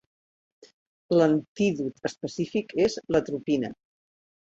L'antídot específic és l'atropina.